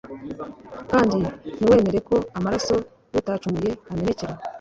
kandi ntiwemere ko amaraso y’utacumuye amenekera